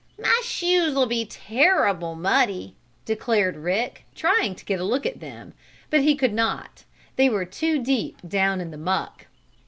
"My shoes'll be terrible muddy," declared Rick, trying to get a look at them, but he could not they were too deep down in the muck.